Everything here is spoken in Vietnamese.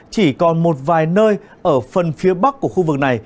chỉ còn một vài nơi ở phần phía bắc của khu vực này